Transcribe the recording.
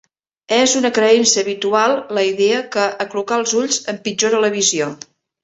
És una creença habitual la idea que aclucar els ulls empitjora la visió.